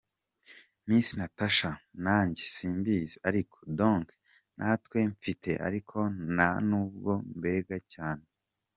Miss Natacha : Nanjye simbizi, ariko…, donc ntawe mfite, ariko ntan’ubwo mbenga cyane.